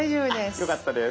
よかったです。